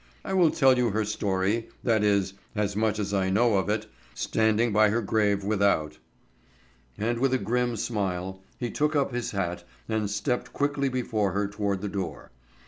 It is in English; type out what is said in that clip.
I will tell you her story, that is, as much as I know of it, standing by her grave without." And with a grim smile, he took up his hat and stepped quickly before her toward the door.